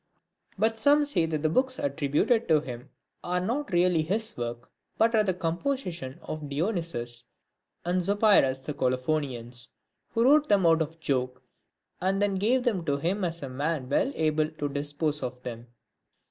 IV. But some say that the books attributed to him are not really his work, but are the composition of Dionysius and Zopyrus the Colophonians, who wrote them out of joke, and then gave them to him as a man well able to dispose of them.